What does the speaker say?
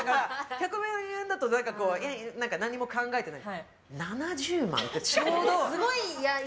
１００万円だと何も考えてない。